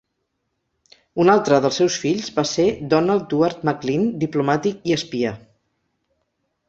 Un altre dels seus fills va ser Donald Duart Maclean, diplomàtic i espia.